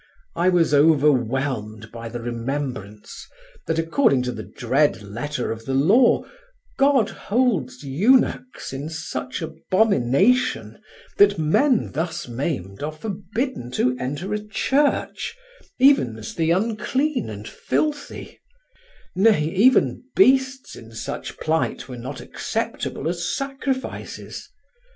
I was overwhelmed by the remembrance that, according to the dread letter of the law, God holds eunuchs in such abomination that men thus maimed are forbidden to enter a church, even as the unclean and filthy; nay, even beasts in such plight were not acceptable as sacrifices.